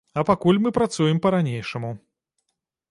А пакуль мы працуем па-ранейшаму.